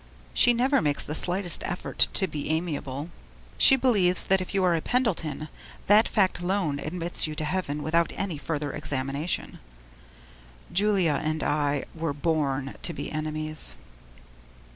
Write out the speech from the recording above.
She never makes the slightest effort to be amiable. She believes that if you are a Pendleton, that fact alone admits you to heaven without any further examination. Julia and I were born to be enemies.